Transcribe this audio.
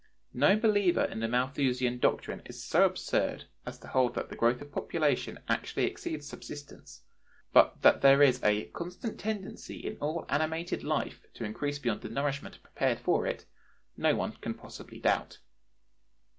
No believer in the Malthusian doctrine is so absurd as to hold that the growth of population actually exceeds subsistence, but that there is a "constant tendency in all animated life to increase beyond the nourishment prepared for it," no one can possibly doubt.